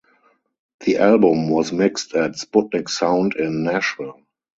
The album was mixed at Sputnik Sound in Nashville.